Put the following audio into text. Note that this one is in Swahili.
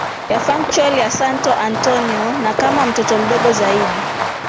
Ya Funchal ya Santo Antonio na kama mtoto mdogo zaidi